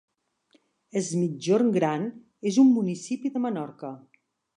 Es Migjorn Gran és un municipi de Menorca.